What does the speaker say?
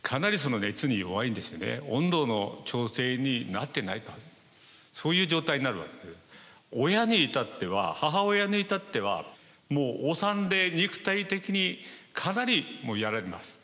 温度の調整になってないとそういう状態になるわけで親に至っては母親に至ってはもうお産で肉体的にかなりもうやられます。